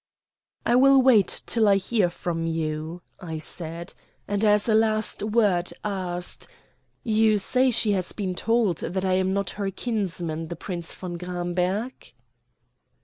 "I will wait till I hear from you," I said, and as a last word asked, "You say she has been told that I am not her kinsman, the Prince von Gramberg?"